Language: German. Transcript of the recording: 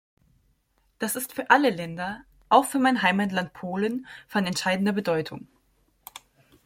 Das ist für alle Länder auch für mein Heimatland Polen von entscheidender Bedeutung.